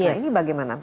nah ini bagaimana